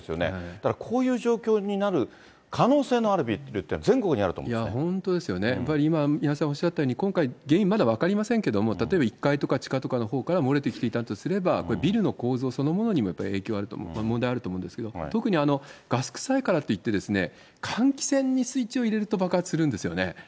だから、こういう状況になる可能性のあるビルっていうのは全国にあると思いや、ほんとですよね、宮根さんおっしゃったように、今回、例えば１階とか、地下とかのほうから漏れてきていたのだとすると、ビルの構造そのものにもやっぱり影響あると思う、問題あると思うんですけれども、特にガス臭いからといって、換気扇にスイッチを入れると爆発するんですよね。